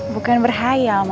bukan berhayal ya